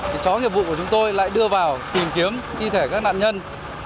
thì chó nghiệp vụ của chúng tôi lại đưa vào tìm kiếm thi thể các nạn nhân